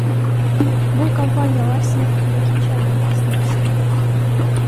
Бул компаниялар сынактын экинчи айлампасына өтүшкөн.